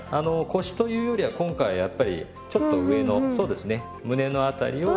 腰というよりは今回やっぱりちょっと上のそうですね胸の辺りを。